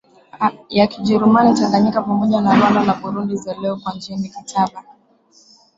ya Kijerumani Tanganyika pamoja na Rwanda na Burundi za leo Kwa njia za mikataba